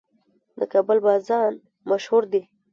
د کابل بازان مشهور دي